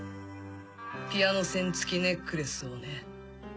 ピアノ線付きネックレスをね。